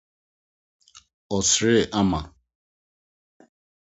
Ɔseree Ama